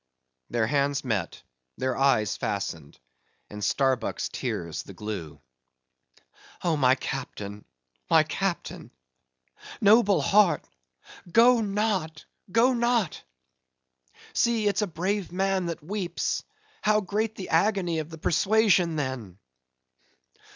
Their hands met; their eyes fastened; Starbuck's tears the glue. "Oh, my captain, my captain!—noble heart—go not—go not!—see, it's a brave man that weeps; how great the agony of the persuasion then!"